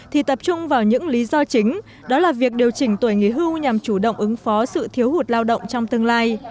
thì tập trung vào những lý do chính đó là việc điều chỉnh tuổi nghỉ hưu nhằm chủ động ứng phó sự thiếu hụt lao động trong tương lai